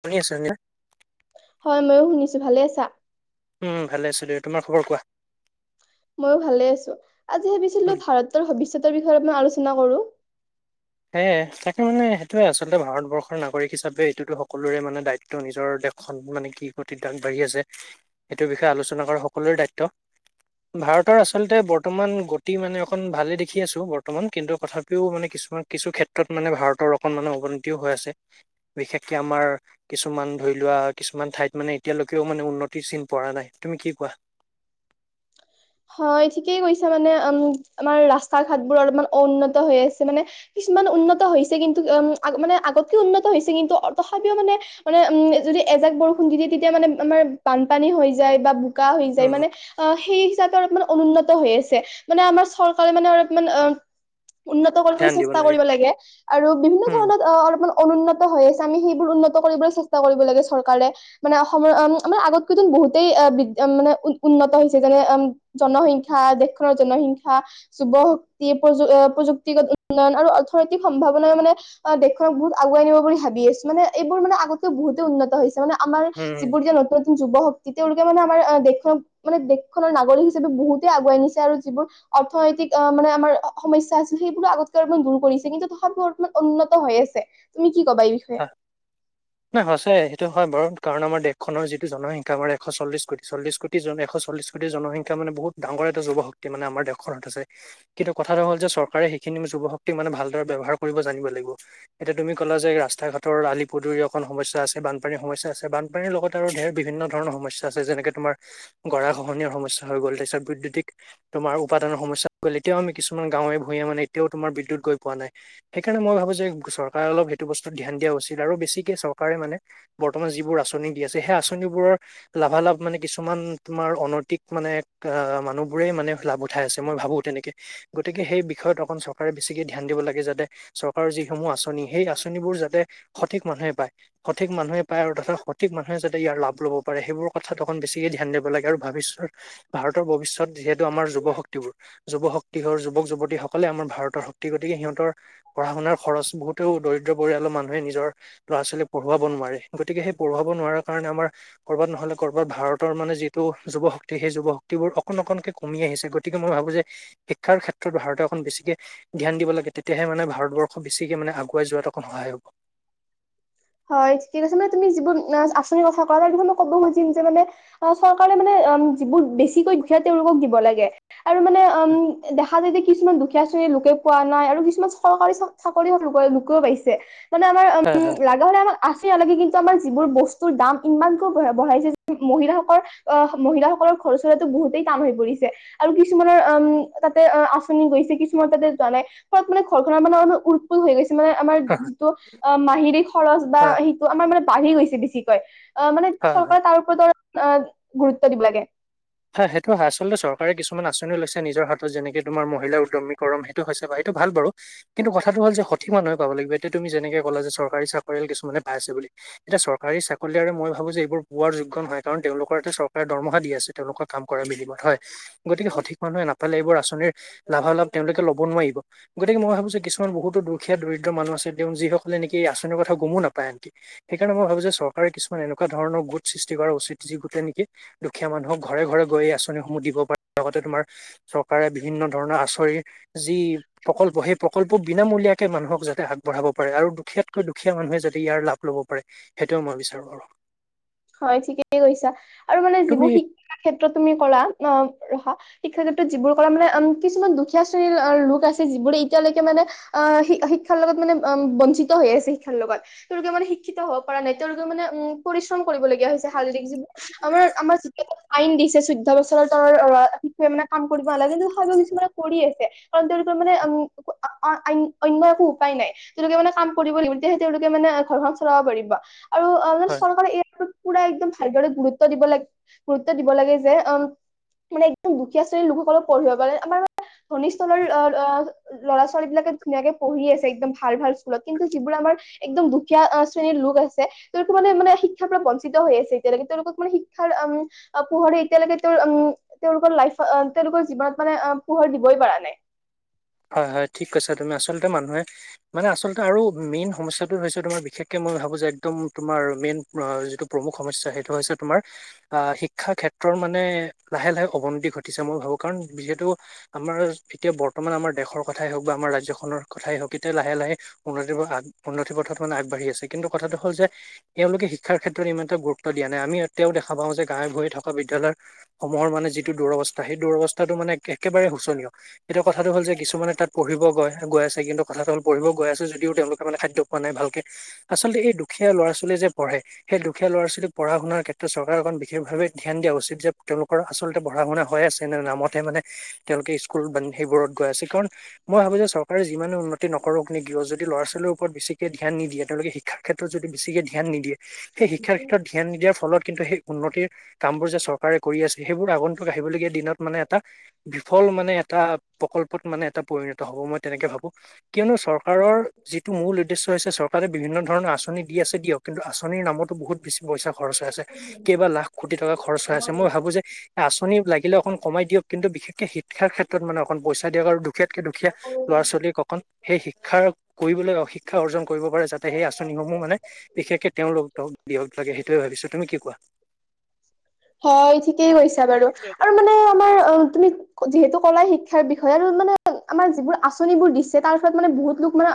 শুনি আছো হয় ময়ো শুনিছো, ভালে আছা? উম ভালে আছোঁ দিয়া। তোমাৰ খবৰ কোৱা? ময়ো ভালে আছো। আজি ভাবিছিলো উম ভাৰতৰ ভৱিষ্যতৰ বিষয়ে মই আলো চনা কৰো। সেয়ে তাকে মানে সেইটোৱে আচলতে ভাৰতবৰ্ষৰ নাগৰিক হিচাপে এইটোতো সকলোৰে মানে দায়িত্ব, নিজৰ দেশখন মানে কি গতিত আগবাঢ়ি আছে, সেইটোৰ বিষয়ে আলোচনা কৰা সকলোৰে দায়িত্ব। ভাৰতৰ আচলতে বৰ্তমান গতি মানে অকণ ভালেই দেখি আছো বৰ্তমান, কিন্তু তথাপিও মানে কিছুমান কিছু ক্ষেত্ৰত মানে ভাৰতৰ অকন মানে অৱনতিও হৈ আছে। বিশেষকে আমাৰ কিছুমান ধৰি লোৱা, কিছুমান ঠাইত মানে এতিয়ালৈকেও মানে উন্নতিৰ চিন পৰা নাই। তুমি কি কোৱা? হয় ঠিকেই কৈছা মানে। উম আমাৰ ৰাস্তা ঘাট বোৰ অলমান অন্নত হৈ আছে, মানে কিছুমান উন্নত হৈছে কিন্তু উম মানে আগতকে উন্নত হৈছে কিন্তু তথাপিও মানে মানে উম যদি এজাক বৰষুণ দি দিয়ে, তেতিয়া মানে আমাৰ বানপানী হৈ যায়, বা বোকা হৈ যায় উম মানে অ সেই যাতায়াত মানে অনুন্নত হৈ আছে। মানে আমাৰ চৰকাৰে মানে অলপমান অ উন্নত কৰিবলৈ ধ্যান দিব চেষ্টা কৰিব লাগে। আৰু বিভিন্ন উম ধৰণত অ অলপমান অনুন্নত হৈ আছে, আমি সেইবোৰ উন্নত কৰিবলৈ চেষ্টা কৰিব লাগে চৰকাৰে। মানে অসমৰ আমাৰ আগতকেইত বহুতেই বি মানে উ উন্নত হৈছে যেনে আ জনসংখ্যা দেশখনৰ জনসংখ্যা, যুৱ শক্তি, প্ৰযু প্ৰযুক্তিগত উন্নয়ন আৰু অৰ্থনৈতিক সম্ভাৱনাই মানে, দেশখনক বহুত আগুৱাই নিব বুলি ভাবি আছো। মানে এইবোৰ মানে আগতেও বহুতে উন্নত হৈছে। মানে আমাৰ উম যিবোৰ যে নতুন নতুন যুৱ শক্তি তেওঁ লো মানে আমাৰ দেশখনক মানে দেশখনৰ নাগৰিক হিচা পে বহুতে আগুৱাই নিছে আৰু, যিবোৰ অৰ্থনৈতিক অহ মানে আমাৰ সমস্যা আছিল, সেইবোৰো আগতকৈ অলপ মান দূৰ কৰিছেম কিন্তু তথাপিও অমান উন্নত হৈ আছে তুমি কি কবা এই বিষয়ে? ন সঁচাই এইটো হয় বাৰু। কাৰণ আমাৰ দেশখনৰ যিটো জনসংখ্যা, আমাৰ এশ চল্লিশ কোটি, চল্লিশ কোটি জন এশ চল্লিশ কোটিৰ জনসংখ্যা মানে বহুত ডাঙৰ এটা যুৱ শক্তি মানে আমাৰ দেশখনত আছে। কিন্তু কথাটো হ'ল যে চৰকাৰে সেইখিনি যুৱ শক্তি মানে ভালদৰে ব্যৱহাৰ কৰিব জানিব। লাগিব এতিয়া তুমি কলা যে ৰা টা ঘাটৰ আলি পদূলিৰ অকণ সমস্যা আছে। বানপানীৰ সমস্যা আছে। বানপানীৰ লগত আৰু ধেৰ বিভিন্ন ধৰণৰ সমস্যা আছে, যেনেকে তোমাৰ গৰা ঘহনীয়া সমস্যা হৈ গ'ল তাৰ পিছত বিদ্যুতিক তোমাৰ উপাদানৰ সমস্যা হৈ গ'ল, এয়াও আমি কিছুমান গাঁৱে ভূঞে মানে এতিয়াও তোমাৰ বিদ্যুত গৈ পোৱা নাই। সেইকাৰণে মই ভাবো যে চৰকাৰে অলপ সেইটো বস্তু ধ্যান দিয়া উচিত। আৰু বেছিকে চৰকাৰে মানে বৰ্তমান যিবোৰ আচনি দি আছে সেই আঁচনিবোৰৰ লাভালাভ মানে কিছুমান তোমাৰ অনৈতিক মানে মানুহবোৰে মানে লাভ উঠাই আছে, মই ভাবোঁ তেনেকে। গতিকে সেই বিষয়ত অকন চৰকাৰে বেছিকে ধ্যান দিব লাগে, যাতে চৰকাৰৰ যিসমূহ আঁচনি সেই আঁচনি আঁচনিবোৰ যাতে সঠিক মানুহে পায়, সঠিক মানুহে পায় আৰু তথা সঠিক মানুহে যাতে ইয়াৰ লাভ ল'ব পাৰে, সেইবোৰ কথা অকণ বেছিকে ধ্যান দিব লাগে আৰু ভৱিষ্যত, ভাৰতৰ ভৱিষ্যত যিহেতু আমাৰ যুৱশক্তিবোৰ, যুৱশক্তিহৰ যুৱক-যুৱতীসকলে আমাৰ ভাৰতৰ শক্তি গতিকে সিহঁতৰ পঢ়া-শুনাৰ খৰচ বহুতেই দৰিদ্ৰ পৰিয়ালৰ মানুহে নিজৰ ল'ৰা-ছোৱালীক পঢুৱাব নোৱাৰে, গতিকে সেই পঢ়ুৱাব নোৱাৰা কাৰণে আমাৰ ক'ৰবাত নহ'লে ক'ৰবাত ভাৰতৰ মানে যিটো যুৱশক্তি সেই যুৱ শক্তিবোৰ অকণ-অকনকে কমি আহিছে, গতিক মই ভাবোঁ যে শিক্ষাৰ ক্ষেত্ৰত ভাৰতে অকণ বেছিকে ধ্যান দিব লাগে, তেতিয়াহে মানে ভাৰতবৰ্ষ বেছিকে মানে আগুৱাই যোৱাত অকণ সহায় হ'ব। হয়। ঠিক কৈছে তুমি যিবোৰ আঁচনি কথা কোৱা নাই, মই ক'ব খুজিম যে মানে চৰকাৰে মানে যিবোৰ বেছিকৈ দুখীয়া তেওঁলোকক দিব লাগে। আৰু মানে আম দেখা যায় দেখিক কিছুমান দুখীয়া শ্ৰেণীৰ লোকে পোৱা নাই আৰু কিছুমান চৰকাৰী-চাকৰীয়াল অ লোকেও পাইছে। পাইছে মানে আমাৰ হয় হয় উম লাগা হলে আমাক আছেই, নালাগে কিন্তু আমাৰ যিবোৰ বস্তুৰ দাম ইমানকৈ বঢ়া-বঢ়াইছে মহিলাসকল, আহ মহিলাসকলৰ ঘৰ চলোৱাতো বহুতেই টান হৈ পৰিছে, আৰু কিছুমানৰ উম তাতে আঁচনি গৈছে, কিছুমানৰ তাতে যোৱা নাই ফলত মানে ঘৰখনৰ উৎপোল হৈ গৈছে মানে আমাৰ অ হয় মাহিলী খৰচ বা হয় সেইটো আমাৰ মানে বাঢ়ি গৈছে বেছিকৈ অ মানে হয় চৰকাৰে তাৰ ওপৰতো অঁ গুৰুত্ব দিব লাগে। হয় সেইটো হয়। আচলতে চৰকাৰে কিছুমান আঁচনি লৈছে নিজৰ হাতত যেনেকে তোমাৰ মহিলা উদ্যমীকৰম, সেইটো হৈছে বা সেইটো ভাল বাৰু কিন্তু কথাটো হ'ল যে সঠিক মানুহে পাব লাগিব, এতিয়া তুমি যেনেকে ক'লা যে চৰকাৰী-চাকৰিয়াল কিছুমানে পাই আছে বুলি, এতিয়া চৰকাৰী-চাকৰিয়ালে মই ভাবোঁ যে এইবোৰ পোৱাৰ যোগ্য নহয়, কাৰণ তেওঁলোকৰ এইয়াতে চৰকাৰে দৰমহা দি আছে। তেওঁলোকৰ কাম কৰা বিনিময়ত হয়। গতিকে সঠিক মানুহে নাপায় নহলে এইবোৰ আঁচনিৰ লাভালাভ তেওঁলোকে ল'ব নোৱাৰিব, গতিকে মই ভাবোঁ যে কিছুমান বহুতো দুখীয়া, দৰিদ্ৰ মানুহ আছে তেওঁ যিসকলে নেকি এই আঁচনিৰ কথা গমো নাপায়। সেইকাৰণে মই ভাবোঁ যে চৰকাৰে কিছুমান এনেকুৱা ধৰণৰ গোট সৃষ্টি কৰা উচিত যি গোটতে নেকি দুখীয়া মানুহক ঘৰে-ঘৰে গৈ আঁচনিসমূহ দিব পাৰে, লগতে তোমাৰ চৰকাৰে বিভিন্ন ধৰণৰ আচৰি যি প্ৰকল্প সেই প্ৰকল্প বিনামূলীয়া কে মানুহক যাতে আগবঢ়াব পাৰে, আৰু দুখীয়াতকৈ দুখীয়া মানুহে যদি ইয়াৰ লাভ ল'ব পাৰে সেইটোৱেই মই বিচাৰোঁ আৰু হয় ঠিকেই কৈছা আৰু মানে যিবোৰ তুমি শিক্ষা শিক্ষাৰ ক্ষেত্ৰত তুমি ক'লা আহ ৰখা শিক্ষাৰ ক্ষেত্ৰত যিবোৰ ক'লা মানে উম কিছুমান দুখীয়া শ্ৰেণীৰ লোক আছে যিবোৰে এতিয়ালৈকে মানে আহ শিক্ষাৰ লগত মানে বঞ্চিত হৈ আছে শিক্ষাৰ লগত, তেওঁলোকে মানে শিক্ষিত হব পৰা নাই তেওঁলোকে মানে উম কৰিবলগীয়া হৈছে শাৰীৰিক যিবোৰ আমাৰ-আমাৰ আইন দিছে চৈধ্য বছৰৰ তলৰ লৰা মানে কাম কৰিব নালাগে কিন্তু হলো কিছুমানে কৰি আছে কাৰণ তেওঁলোকৰ মানে উম অ-অ-অন্য একো উপায় নাই, তেওঁলোকে মানে কাম কৰিব লাগিব তেতিয়াহে তেওঁলোকে মানে ঘৰখন চলাব পাৰিব। আৰু অলপ চৰকাৰে ইয়াত পোৰা একদম ভালদৰে গুৰুত্ব দিব লাগে, গুৰুত্ব দিব লাগে যে অঁ মানে একদম দুখীয়া শ্ৰেণীৰ লোকসকলক পঢ়িব পাৰে, আমাৰ ধনীস্থলৰ অ-অ ল'ৰা-ছোৱালীবিলাকে ধুনীয়াকে পঢ়ি আছে একদম ভাল-ভাল স্কুলত, কিন্তু যিবোৰ আমাৰ একদম দুখীয়া শ্ৰেণীৰ লোক আছে, তেওঁলোক মানে-মানে শিক্ষাৰ পৰা বঞ্চিত হৈ আছে এতিয়ালৈকে, তেওঁলোকক মানে শিক্ষাৰ উম পোহৰে এতিয়ালৈকে তেওঁৰ উম তেওঁলোকৰ লাইফৰ অঁ তেওঁলোকৰ জীৱনত মানে আহ পোহৰ দিব‌ই পৰা নাই। হয়-হয় ঠিক কৈছা তুমি আচলতে মানুহে, মানে আচলতে আৰু মেইন সমস্যাটো হৈছে তোমাৰ বিশেষকে মই ভাবোঁ যে একদম তোমাৰ মেইন যিটো প্ৰমুখ সমস্যা সেইটো হৈছে তোমাৰ আহ শিক্ষা ক্ষেত্ৰৰ মানে লাহে-লাহে অৱনতি ঘটিছে মই ভাবোঁ, কাৰণ যিহেতু আমাৰ এতিয়া বৰ্তমান আমাৰ দেশৰ কথাই হওঁক বা আমাৰ ৰাজ্যখনৰ কথাই হওঁক এতিয়া লাহে-লাহে উন্নতি উন্নতিৰ পথত মানে আগবাঢ়ি আছে, কিন্তু কথাটো হ'ল যে এ এওঁলোকে শিক্ষাৰ ক্ষেত্ৰত ইমান এটা গুৰুত্ব দিয়া নাই, আমি এতিয়াও দেখা পাওঁ যে গাঁৱে-ভূয়ে থকা বিদ্যালয়সমূহৰ মানে যিটো দুৰৱস্থাৰ সেই দুৰৱস্থাটো মানে একেবাৰে শোচনীয়, এতিয়া কথাটো হ'ল যে কিছুমানে তাত পঢ়িব গৈ-গৈ আছে, কিন্তু কথাটো হল পঢ়িব গৈ আছে যদিও তেওঁলোকে মানে খাদ্য পোৱা নাই ভালকে আচলতে এইটো দুখীয়া ল'ৰা-ছোৱালীয়ে যে পঢ়ে সেই দুখীয়া ল'ৰা ছোৱালীক পঢ়া শুনা ক্ষেত্ৰত চৰকাৰ খন বিশেষভাৱে ধ্যান দিয়া উচিত তেওঁলোকৰ আচলতে- পঢ়া শুনা হৈ আছে নাই নামতহে তেওঁলোকে স্কুল- সেইবোৰত আছে কাৰণ মই ভাবো যে চৰকাৰে যিমান উন্নতি নকৰক নি যদি ল'ৰা ছোৱালীৰ ওপৰত বেছিকে ধ্যান নিদিয়ে তেওঁলোকে শিক্ষাৰ ক্ষেত্ৰত যদি বেছিকে ধ্যান নিদিয়ে সেই শিক্ষাৰ ক্ষেত্ৰত ধ্যান নিদিয়াৰ ফলত কিন্তু সেই উন্নতিৰ কামবোৰ যে চৰকাৰে কৰি আছে সেইবোৰ আগন্তুক আহিবলগীয়া দিনত মানে এটা বিফল মানে এটা প্ৰকল্পত মানে এটা পৰিণত হ'ব মই তেনেকে ভাবো কিয়নো চৰকাৰৰ যিটো মূল উদ্দেশ্য হৈছে চৰকাৰে বিভিন্ন ধৰণৰ আঁচনি দি আছে দিয়ক কিন্তু আঁচনিৰ নামতো বহুত বেছি পইচা- খৰচ হৈ আছে কেইবা লাখ কোটি টকা খৰচ হৈ আছে মই ভাবো যে আঁচনি লাগিলে অকন কমাই দিয়ক কিন্তু বিশেষ- শিক্ষাৰ ক্ষেত্ৰত মানে- পইচা দিয়ক আৰু- দুখীয়াতকে দুখীয়া ল'ৰা ছোৱালীক অকণ- সেই শিক্ষা কৰিবলৈ অশিক্ষা অৰ্জন কৰিব পাৰে যাতে সেই আঁচনিসমূহ মানে বিশেষকে তেওঁলোকক দিয়ক লাগে সেইটো ভাবিছো তুমি কি কোৱা- হয় ঠিকেই কৈছা বাৰু আৰু মানে আমাৰ অ তুমি যিহেতু কলা শিক্ষাৰ বিষয়ে আৰু মানে আমাৰ যিবোৰ আচনিবোৰ দিছে তাৰ ফত মানে বহুত লোক মানে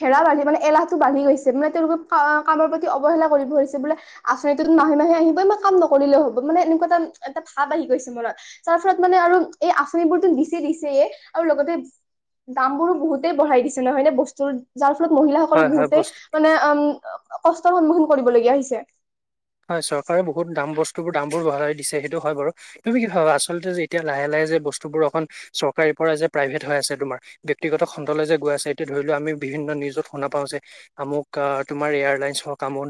হেৰা বান্ধে মানে এলাহটো বাঢ়ি গৈছে তেওঁ লোক কামৰ প্ৰতি অবহেলা কৰি গৈছে আঁচনিটো মাহে মাহে আহিবই মই কাম নক কৰিলেও হ'ব মানে এনেকুৱা এটা এটা ভাৱ আহি গৈছে মনত যাৰ ফলত মানে আৰু এই আঁচনিবোৰতো দিছে দিছেয়ে আৰু লগতে দাম বোৰো বহুতেই বঢ়াই দিছে নহয় নে বস্তুৰ যাৰ ফল মহিলাসকলে হয় হয় বহুতেই বস্তু মানে উম কষ্টৰ সন্মুখীন কৰিবলগীয়া হৈছে হয় চৰকাৰে বহুত দাম বস্তু বোৰ দাম বোৰ বঢ়াই দিছে সেইটো হয় বাৰু তুমি কি ভাবা আচলতে যে এতিয়া লাহে লাহে যে বস্তুবোৰ অকন চৰকাৰীৰ পৰা যে প্ৰাইভেট হৈ আছে তোমাৰ ব্যক্তিগত খণ্ডলৈ যে গৈ আছে এতিয়া ধৰি লও আমি বিভিন্ন নিউজত শুনা পাওঁ যে আৰু তোমাৰ এয়াৰলাইনছ হওক আৰু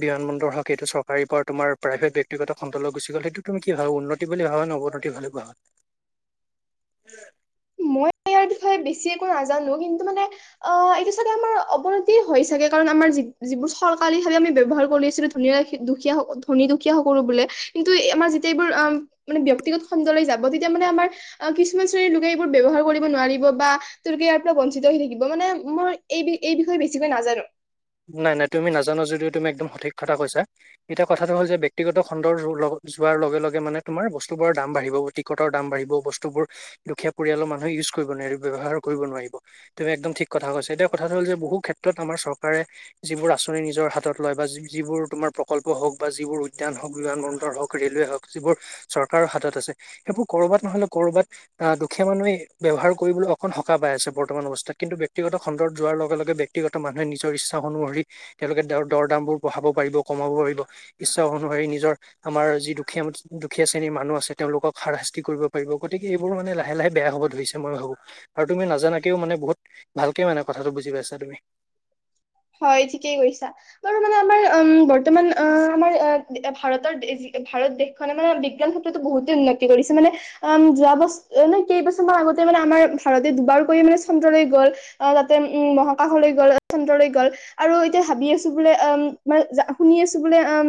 বিমান বন্দৰ হওক সেইটো চৰ পাৰি তোমাৰ প্ৰাইভেট ব্যক্তিগত খণ্ডলৈ গুচি গ'ল সেইটো তুমি কি ভাবা উন্নতি বুলি ভাবা নে অৱনতি বুলি ভাবা মই ইয়াৰ বিষয়ে বেছি একো নাজানো কিন্তু মানে অ এইটো চাগে আমাৰ অৱনতি হয় চাগে কাৰণ আমি যিবোৰ চৰকাৰী ভাৱে আমি ব্যৱহাৰ কৰি আছিলো ধনী বা দুখীয়া ধনী দুখীয়া সকলো বোৰে কিন্তু আমাৰ যেতিয়া এইবোৰ মানে ব্যক্তিগত খণ্ডলৈ যাব তেতিয়া মানে আমাৰ কিছুমান শ্ৰেণীৰ লোকে ব্যৱহাৰ কৰিব নোৱাৰিব বা তোৰ ইয়াৰ পৰা বঞ্চিত হৈ থাকিব মানে মই এই এই বিষয়ে বেছিকৈ নাজানো নাই নাই তুমি নাজানা যদিও তুমি একদম সঠিক কথা কৈছা এতিয়া কথাটো হ'ল যে ব্যক্তিগত খণ্ডৰ যোৱাৰ লগে লগ মানে তোমাৰ বস্তু বোৰৰ দাম বাঢ়িব টিকটৰ দাম বাঢ়িব বস্তুবোৰ দুখীয়া পৰিয়ালৰ মানুহে ইউজ কৰিব নোৱাৰিব ব্যৱহাৰ কৰিব নোৱাৰিব তুমি একদম ঠিক কথা কৈছা এতিয়া কথাটো হ'ল যে বহু ক্ষেত্ৰত আমাৰ চৰ চৰকাৰে যিবোৰ আঁচনি নিজৰ হাতত লয় বা যিবোৰ তোমাৰ প্ৰকল্প হওক বা যিবোৰ উদ্যান হওক বিমান বন্দৰ হওক ৰেলৱে হওক যিবোৰ চৰকাৰৰ হাতত আছে সেইবোৰ কৰ'বাত নহলে কৰ'ৰবাত আহ দুখীয়া মানুহে ব্যৱহাৰ কৰিবলৈ অকন সকাহ পাই আছে বৰ্তমান অৱস্থাত কিন্তু ব্যক্তিগত খণ্ডত যোৱাৰ লগে লগে ব্যক্তিগত মানুহে নিজৰ ইচ্ছা অনুসৰি তেওঁলোকেৰ দৰ দাম বোৰ বঢ়াব পাৰিব কমাব পাৰিব ইচ্ছা অনুসৰি নিজৰ আমাৰ যি দুখীয়া দুখীয়া শ্ৰেণীৰ মানুহ আছে তেওঁলোকক হাৰশাস্তি কৰিব পাৰিব গতিকে এইবোৰ মানে লাহে লাহে বেয়া হব ধৰিছে মই ভাবো আৰু তুমি নাজানাকেও মানে বহুত ভালকে মানে কথাটো বুজি পাইছা তুমি হয় ঠিকেই কৈছা বাৰু মানে আমাৰ উম বৰ্তমান অ আমাৰ ভাৰতৰ ভাৰত দেশখনে মানে বিজ্ঞান ক্ষেত্ৰতো বহুতে উন্নতি কৰিছে মানে উ যোৱা বছ কেইবছৰমান আগতে মানে আমাৰ ভাৰতে দুবাৰকৈ মানে চন্দ্ৰলৈ গ'ল তাতে উ মহাকাশলৈ গল চন্দ্ৰলৈ গ ল আৰু এতিয়া ভাবি আছো বোলে অম শুনি আছো বোলে অম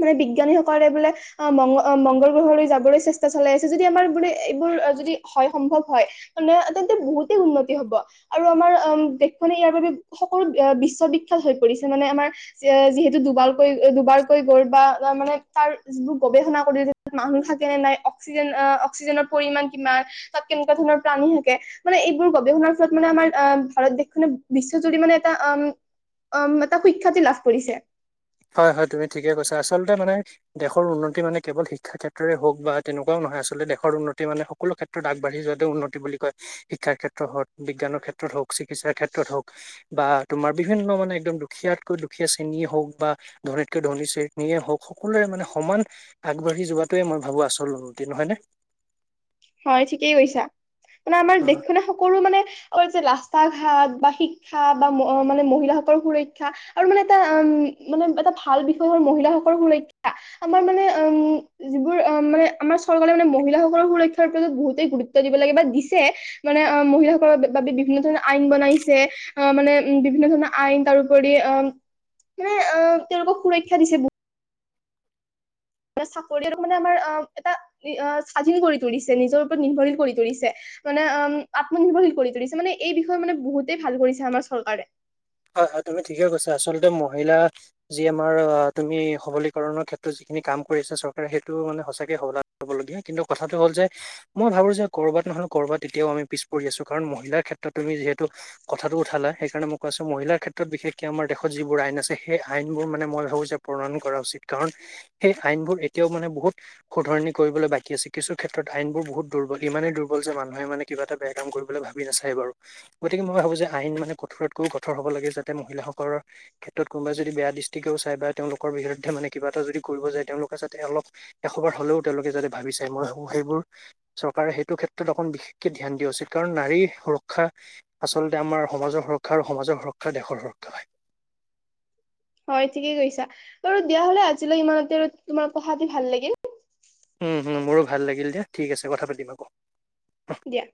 মানে বিজ্ঞানী সকলে বোলে মংগল মংগল গ্ৰহলৈ যাবলৈ চেষ্টা চলাই আছে যদি আমাৰ বোলে এইবোৰ যদি হয় সম্ভৱ হয় মানে তেন্তে বহুতেই উন্নতি হব আৰু আমাৰ অ দেশখনে ইয়াৰ বাবে বিশ্ববিখ্যাত হৈ পৰিছে মানে আমাৰ যিহেতু দুবাৰকৈ দুবাৰকৈ গল বা তাৰ মানে তাৰ যিবোৰ গৱেষণা কৰি ত মানুহ থাকে নে নাই- অক্সিজেন অক্সিজেনৰ পৰিমাণ কিমান তাত কেনেকুৱা ধৰণৰ প্ৰাণী থাকে মানে এইবোৰ গৱেষণাৰ ফলত মানে আমাৰ আহ ভাৰত দেশখনে বিশ্বজুৰি মানে এটা উ উম এটা সুখ্যাতি লাভ কৰিছে হয় হয় তুমি ঠিকে কৈছা আচলতে মানে দেশৰ উন্নতি মানে কেৱল শিক্ষা ক্ষেত্ৰৰে হওক বা তেনেকুৱাও নহয় আচলতে দেশৰ উন্নতি মানে সকলো ক্ষেত্ৰত আগবাঢ়ি যোৱাতে উন্নতি বুলি কয় শিক্ষাৰ ক্ষেত্ৰত হওক বিজ্ঞানৰ ক্ষেত্ৰত হওক চিকিৎসাৰ ক্ষেত্ৰত হওক বা তোমাৰ বিভিন্ন মানে একদম দুখীয়াতকৈ দুখীয়া শ্ৰেণী হওক বা ধনীতকৈ ধনী চেনীয়ে হওক সকলোৰে মানে সমান আগবাঢ়ি যোৱাটোৱে মই ভাবো আচল উন্নতি নহয় নে হয় ঠিকেই কৈছা - মানে আমাৰ দেশখনে সকলো মানে- আৰু যে ৰাস্তা ঘাট বা শিক্ষা বা মানে মহিলাসকল সুৰক্ষা আৰু মানে এটা উ মানে এটা ভাল বিষয় হ'ল মহিলাসকল সুৰক্ষা আমাৰ মানে উম যিবোৰ মানে আমাৰ চৰকাৰে মানে মহিলাসকলৰ সুৰক্ষা- তাৰ পাছত বহুতেই গুৰুত্ব দিব লাগে বা দিছে মানে অ মহিলাসকলৰ বাবে বিভিন্ন ধৰণৰ আইন বনাইছে আহ মানে উ বিভিন্ন ধৰণৰ আইন তাৰপৰি আহ মানে আহ তেওঁলোকক সুৰক্ষা দিছে বহু চাকৰি এ মানে আমাৰ এটা স্বাধীন কৰি তুলিছে নিজৰ ওপৰত নিৰ্ভৰশীল কৰি তুলিছে মানে আত্মনিৰ্ভৰশীল কৰি তুলিছে মানে এই বিষয়ে মানে বহুতেই ভাল কৰিছে আমাৰ চৰকাৰে। হয় হয় তুমি ঠিকে কৈছা আচলতে মহিলা যি আমাৰ আহ তুমি সবলীকৰণৰ ক্ষেত্ৰত যিখিনি কাম কৰি আছে চৰকাৰে সেইটো মানে সঁচাকে সবলবলগীয়া কিন্তু কথাটো হ'ল যে মই ভাবো যে কৰ'বাত নহ'লে ক'বাত তেতিয়াও আমি পিছ পৰি আছো কাৰণ মহিলাৰ ক্ষেত্ৰত তুমি যিহেতু কথাটো উঠালা সেইকাৰণে মোক মহিলাৰ ক্ষেত্ৰত বিশেষকে আমাৰ দেশত যিবোৰ আইন আছে সেই আইনবোৰ মানে মই ভাবো যে প্ৰণয়ন কৰা উচিত কাৰণ সেই আইনবোৰ এতিয়াও মানে বহুত শুধৰনি কৰিবলৈ বাকী আছে কিছু ক্ষেত্ৰত আইন বোৰ বহুত দুৰ্বল ইমানেই দুৰ্বল যে মানুহে মানে কিবা এটা বেয়া কাম কৰিবলৈ ভাবি নাচায় এবাৰু গতিকে মই ভাবো যে আইন মানে কঠোৰ কঠোৰ হ'ব লাগে যাতে মহিলাসকলৰ ক্ষেত্ৰত কোনোবা যদি বেয়া দৃষ্টিকেও চাই বা তেওঁলোকৰ বিৰুদ্ধে মানে কিবা এটা যদি কৰিব যায় তেওঁলোকে যাতে অলপ এশবাৰ হ'লেও তেওঁলোকে যাতে ভাবি চায় মই ভাবো সেইবোৰ চৰকাৰে সেইটো ক্ষেত্ৰত অকণ বিশেষকে ধ্যান দিয়া উচিত কাৰণ নাৰী সুৰক্ষা আচলতে আমাৰ সমাজৰ স সুৰক্ষা আৰু সমাজৰ সুৰক্ষা দেশৰ সুৰক্ষা হয়। হয় ঠিকেই কৈছা বাৰু দিয়া হলে আজিলৈ ইমানতে আৰু তোমাৰ কথাতি ভাল লাগিল। মোৰো ভাল লাগিল দিয়া ঠিক আছে কথা পাতিম আকৌ। দিয়া।